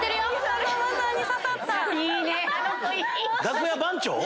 楽屋番長？